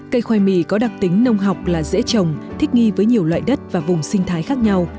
cây khoai mì có đặc tính nông học là dễ trồng thích nghi với nhiều loại đất và vùng sinh thái khác nhau